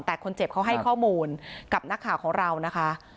แต่คนเจ็บเขาให้ข้อมูลกับนักข่าวของเรานะคะ